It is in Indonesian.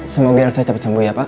semoga elsa cepet sembuh ya pak